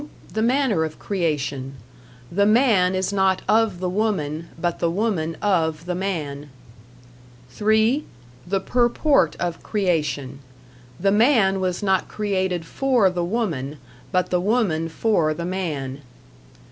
(2) The manner of creation. The man is not of the woman, but the woman of the man. (3) The purport of creation. The man was not created for the woman, but the woman for the man.